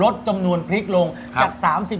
ได้นะว่าลดจำนวนพริกลงครับจากสามสิบ